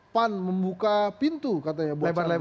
pan membuka pintu katanya